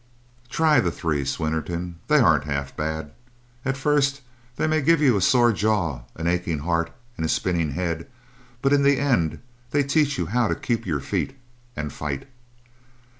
Try the three, Swinnerton; they aren't half bad. At first they may give you a sore jaw, an aching heart, and a spinning head, but in the end they teach you how to keep your feet and _fight!